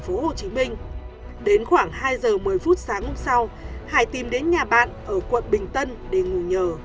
phố hồ chí minh đến khoảng hai h một mươi phút sáng hôm sau hải tìm đến nhà bạn ở quận bình tân để ngủ nhờ